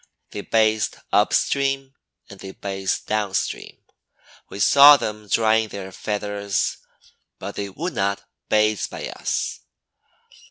They bathed up stream and they bathed down stream. We saw them drying their feathers, but they would not bathe by us.